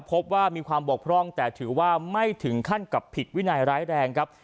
พบว่ามีความบกพร่องแต่ถือว่าไม่ถึงขั้นกับผิดวินัยร้ายแรงครับ